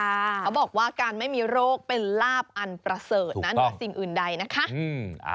เขาบอกว่าการไม่มีโรคเป็นลาบอันประเสริฐนั้นเหนือสิ่งอื่นใดนะคะ